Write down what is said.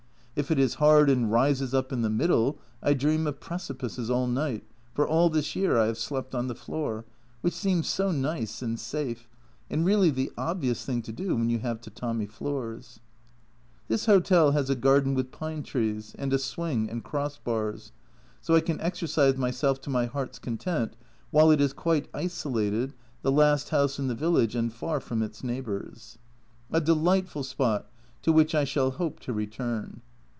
If it is hard and rises up in the middle I dream of precipices all night, for all this year I have slept on the floor, which seems so nice and safe, and really the obvious thing to do when you have tatami floors. This hotel has a garden with pine trees, and a swing and cross bars, so I can exercise myself to my heart's content, while it is quite isolated, the last house in the village and far from its neighbours. A 216 A Journal from Japan delightful spot, to which I shall hope to return.